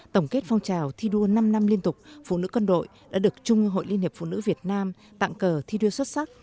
tổng kết phong trào thi đua năm năm liên tục phụ nữ quân đội đã được trung ương hội liên hiệp phụ nữ việt nam tặng cờ thi đua xuất sắc